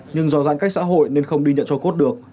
nhưng do giãn cách xã hội nên không đi nhận cho cốt được